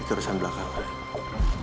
itu urusan belakangan